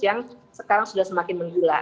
yang sekarang sudah semakin menggila